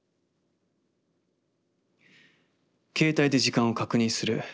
携帯で時間を確認する。